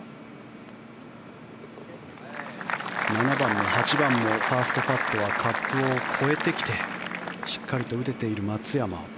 ７番も８番もファーストパットはカップを越えてきてしっかりと打てている松山。